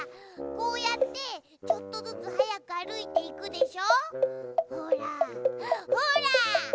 こうやってちょっとずつはやくあるいていくでしょ？